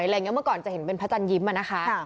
อะไรอย่างเงี้ยเมื่อก่อนจะเห็นเป็นพระจันทร์ยิ้มอ่ะนะคะค่ะ